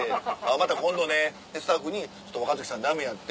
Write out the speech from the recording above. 「また今度ね」でスタッフに「若槻さんダメやって」。